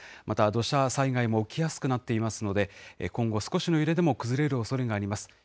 また土砂災害も起きやすくなっていますので、今後、少しの揺れでも崩れるおそれがあります。